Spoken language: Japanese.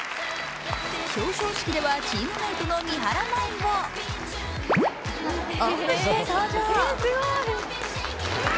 表彰式ではチームメートの三原舞依をおんぶして登場。